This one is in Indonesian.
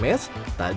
jika tidak taraf pun